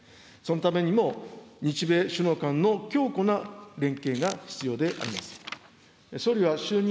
そのためにも日米首脳間の強固な連携が必要であります。